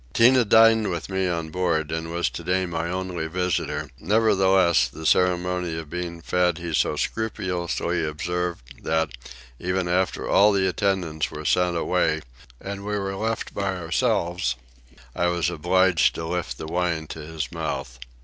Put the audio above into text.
Tinah dined with me on board and was today my only visitor: nevertheless the ceremony of being fed he so scrupulously observed that, even after all the attendants were sent away and we were left by ourselves, I was obliged to lift the wine to his mouth.